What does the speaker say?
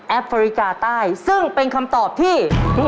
ฟริกาใต้ซึ่งเป็นคำตอบที่